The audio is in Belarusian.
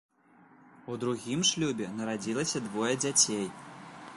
У другім шлюбе нарадзілася двое дзяцей.